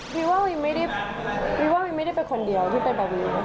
วีบอกว่าวีไม่ได้เป็นคนเดียวที่เป็นแบบวีนะครับ